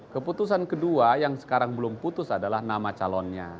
keputusan kedua yang sekarang belum putus adalah nama calonnya